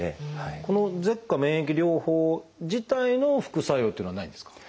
この舌下免疫療法自体の副作用っていうのはないんですか？